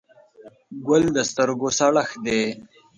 ګل د سترګو سړښت دی.